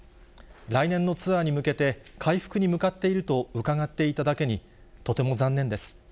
来年のツアーに向けて、回復に向かっていると伺っていただけに、とても残念です。